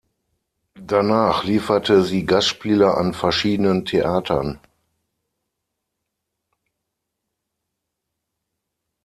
Danach lieferte sie Gastspiele an verschiedenen Theatern.